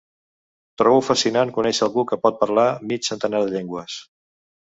Trobo fascinant conèixer algú que pot parlar mig centenar de llengües.